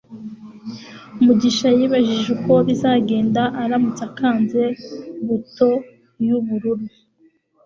mugisha yibajije uko bizagenda aramutse akanze buto yubururu